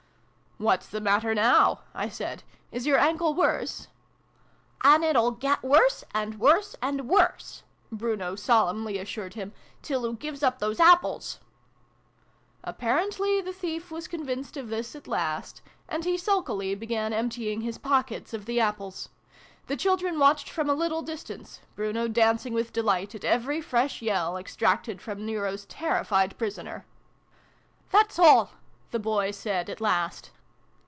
" What's the matter now?" I said. "Is your ankle worse ?"" And it'll get worse, and worse, and worse,'' Bruno solemnly assured him, " till oo gives up those apples !" Apparently the thief was convinced of this at last, and he sulkily began emptying his pockets of the apples. The children watched from a little distance, Bruno dancing with delight at every fresh yell extracted from Nero's terrified prisoner. " That's all," the boy said at last.